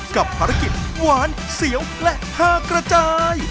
กับภารกิจหวานเสียวและผ้ากระจาย